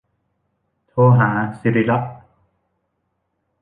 โทรหาศิริลักษณ์